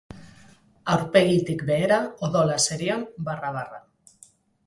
Aurpegitik behera odola zerion barra-barra.